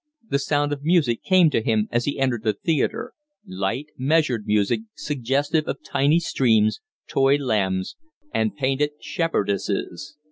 The sound of music came to him as he entered the theatre light, measured music suggestive of tiny streams, toy lambs, and painted shepherdesses.